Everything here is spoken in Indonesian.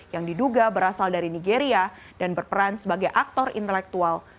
yang diduga berasal dari indonesia dan interpol italia